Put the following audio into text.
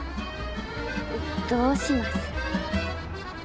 どうします？